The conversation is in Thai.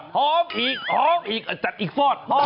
หมอกิตติวัตรว่ายังไงบ้างมาเป็นผู้ทานที่นี่แล้วอยากรู้สึกยังไงบ้าง